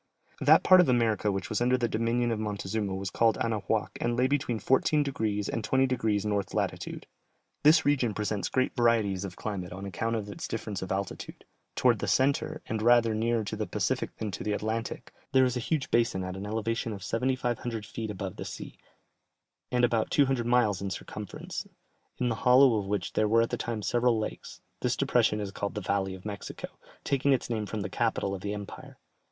That part of America which was under the dominion of Montezuma was called Anahuac and lay between 14 degrees and 20 degrees north latitude. This region presents great varieties of climate on account of its difference of altitude; towards the centre, and rather nearer to the Pacific than to the Atlantic, there is a huge basin at an elevation of 7500 feet above the sea, and about 200 miles in circumference, in the hollow of which there were at that time several lakes; this depression is called the valley of Mexico, taking its name from the capital of the empire.